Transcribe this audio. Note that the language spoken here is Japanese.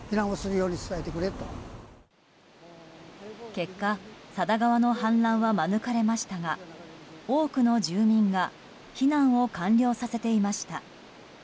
結果、佐田川の氾濫は免れましたが多くの住民が避難を完了させていました。